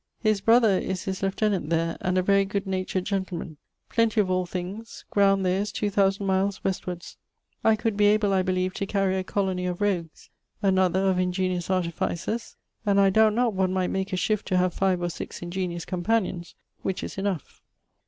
His brother is his lieutenant there; and a very good natured gentleman. Plenty of all things: ground there is 2000 miles westwards. I could be able I believe to carry a colony of rogues; another, of ingeniose artificers; and I doubt not one might make a shift to have 5 or 6 ingeniose companions, which is enough.